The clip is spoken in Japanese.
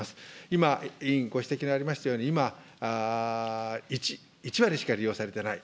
今、委員ご指摘のありましたとおり、今、１割しか利用されていない。